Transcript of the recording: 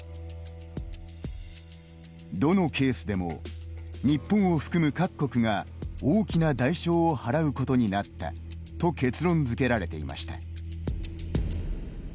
どのケースでも日本を含む各国が大きな代償を払うことになったと結論づけられていました。